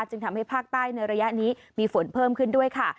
จึงทำให้ภาคใต้ในระยะนี้มีฝนเพิ่มขึ้นด้วยค่ะ